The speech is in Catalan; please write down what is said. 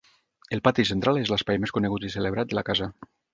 El pati central és l'espai més conegut i celebrat de la casa.